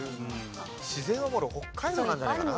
自然は北海道なんじゃないかな。